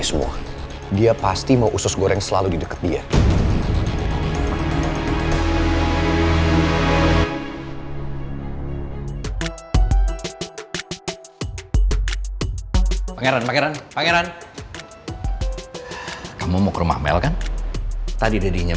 sampai jumpa di video selanjutnya